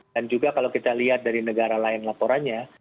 dan juga kalau kita lihat dari negara lain laporannya